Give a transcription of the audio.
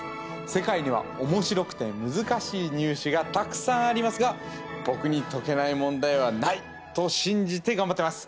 世界にはおもしろくて難しい入試がたくさんありますが僕に解けない問題はない！と信じて頑張っています。